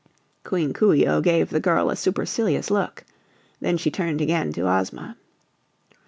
Queen Coo ee oh gave the girl a supercilious look. Then she turned again to Ozma.